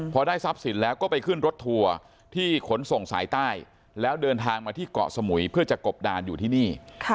พอได้ทรัพย์สินแล้วก็ไปขึ้นรถทัวร์ที่ขนส่งสายใต้แล้วเดินทางมาที่เกาะสมุยเพื่อจะกบดานอยู่ที่นี่